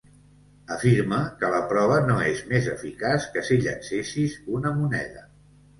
Afirma que la prova no és més eficaç que si llancessis una moneda.